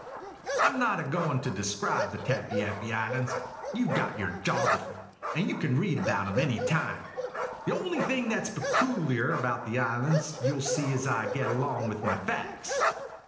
I 'm not a goin' to describe the Tappy appy Islands. You Ve got your Jography, and you can read about 'em any time. The only thing that 's pecooliar about the islands you '11 see as I get along with my facts.